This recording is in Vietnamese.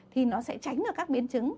thì nó sẽ tránh được các biến chứng